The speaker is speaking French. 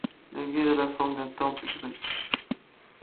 L'église a la forme d'un temple grec.